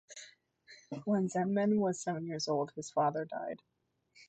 When Zeman was seven years old, his father died.